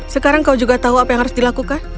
sekarang kau juga tahu apa yang harus dilakukan